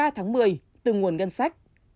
tháng một mươi từ nguồn ngân sách